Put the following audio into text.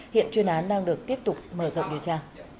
hiện chuyên án đang được tiếp tục mở rộng điều tra